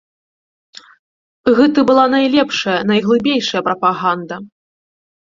Гэта была найлепшая, найглыбейшая прапаганда.